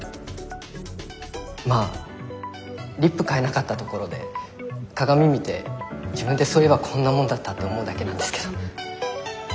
まあリップ買えなかったところで鏡見て自分ってそういえばこんなもんだったって思うだけなんですけど。